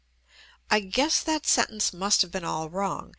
I guess that sentence must have been all wrong.